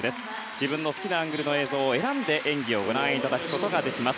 自分の好きなアングルの映像を選んで演技をご覧いただくことができます。